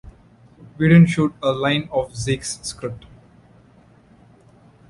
We didn't shoot a line of Zeik's script.